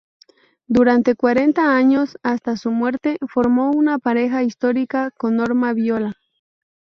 Durante cuarenta años, hasta su muerte, formó una pareja histórica con Norma Viola.